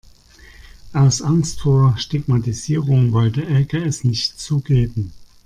Aus Angst vor Stigmatisierung wollte Elke es nicht zugeben.